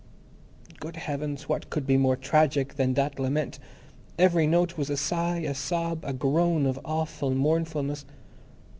Good Heavens, what could be more tragic than that lament! Every note was a sigh, a sob, a groan of awful mournfulness.